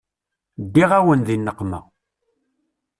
Ddiɣ-awen di nneqma.